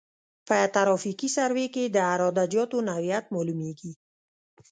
په ترافیکي سروې کې د عراده جاتو نوعیت معلومیږي